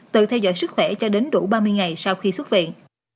từ theo dõi sức khỏe cho đến đủ ba mươi ngày sau khi xuất viện